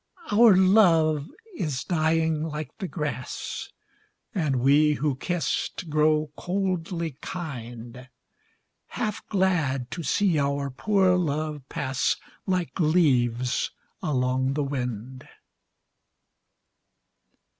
Our love is dying like the grass, And we who kissed grow coldly kind, Half glad to see our poor love pass Like leaves along the wind.